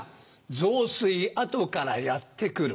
増水後からやって来る。